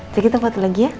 jadi kita foto lagi ya